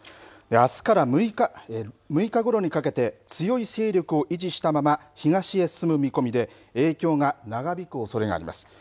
あすから６日ごろにかけて強い勢力を維持したまま東へ進む見込みで影響が長引くおそれがあります。